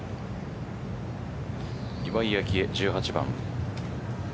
岩井明愛、１８番。